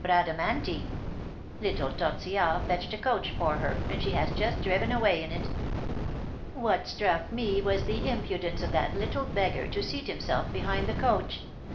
Bradamanti. Little Tortillard fetched a coach for her, and she has just driven away in it. What struck me was the impudence of that little beggar to seat himself behind the coach.